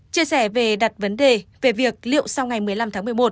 chia sẻ về đặt vấn đề về việc liệu sau ngày một mươi năm tháng một mươi một